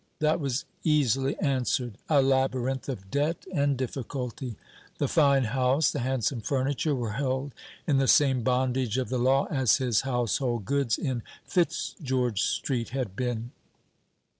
That was easily answered. A labyrinth of debt and difficulty. The fine house, the handsome furniture, were held in the same bondage of the law as his household goods in Fitzgeorge Street had been.